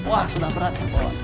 wah sudah berat